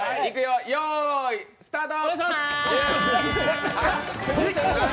よーい、スタート！